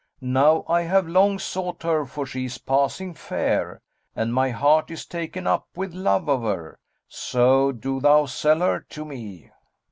Now I have long sought her for she is passing fair; and my heart is taken up with love of her, so do thou sell her to me."